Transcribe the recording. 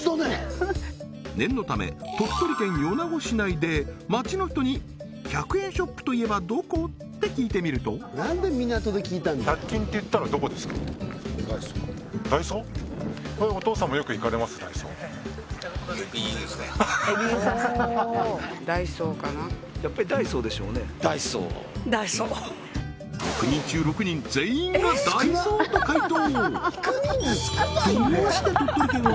念のため鳥取県米子市内で街の人に「１００円ショップといえばどこ？」って聞いてみると６人中６人全員がダイソーと回答